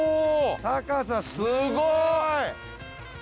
高さすごい！